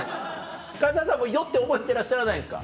唐沢さん酔って覚えてらっしゃらないんですか？